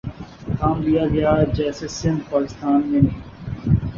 کام لیا گیا جیسے سندھ پاکستان میں نہیں